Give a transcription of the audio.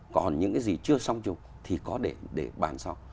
còn những cái gì chưa song chụp thì có để bàn xong